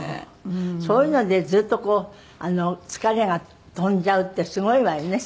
そういうのでずっとこう疲れが飛んじゃうってすごいわよね。